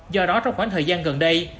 do đó trong khoảng thời gian gần đây